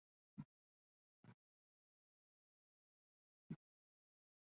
তিনি, গৌড়িয় নৃত্যের উপর বেঙ্গল ক্লাসিকাল ডান্স নামে একটি বই লিখেছিলেন।